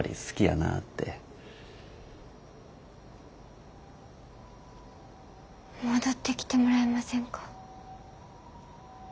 戻ってきてもらえませんか？